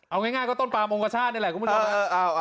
เอาง่ายก็ต้นปลามองคชาตินี่แหละ